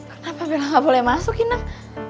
kenapa bella gak boleh masuk inang